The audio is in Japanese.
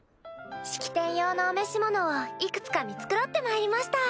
式典用のお召し物をいくつか見繕ってまいりました。